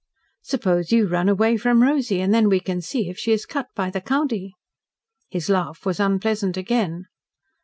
Suppose you run away from Rosy, and then we can see if she is cut by the county." His laugh was unpleasant again.